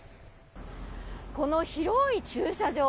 この広い駐車場。